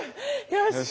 よし！